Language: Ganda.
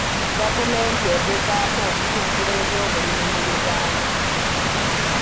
Gavumenti egezaako okutumbula ebyobulimi mu Uganda.